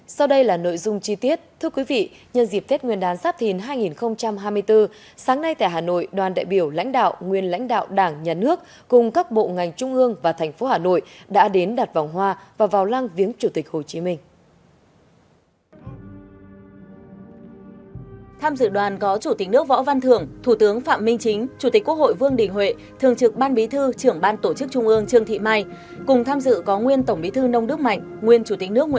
sau đây là nội dung chi tiết thưa quý vị nhân dịp tết nguyên đán sáp thìn hai nghìn hai mươi bốn sáng nay tại hà nội đoàn đại biểu lãnh đạo nguyên lãnh đạo đảng nhà nước cùng các bộ ngành trung ương và thành phố hà nội đã đến đặt vòng hoa và vào lăng viếng chủ tịch hồ chí minh